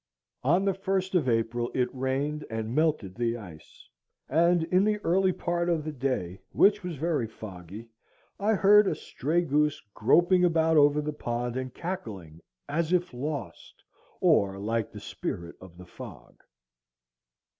On the 1st of April it rained and melted the ice, and in the early part of the day, which was very foggy, I heard a stray goose groping about over the pond and cackling as if lost, or like the spirit of the fog.